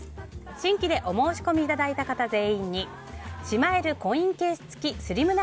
新規でお申し込みいただいた方全員にしまえるコインケース付きスリム長